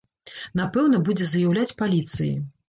Напэўна, будзе заяўляць паліцыі.